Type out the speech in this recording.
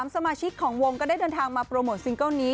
สมาชิกของวงก็ได้เดินทางมาโปรโมทซิงเกิ้ลนี้